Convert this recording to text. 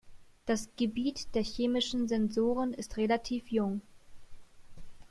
Das Gebiet der chemischen Sensoren ist relativ jung.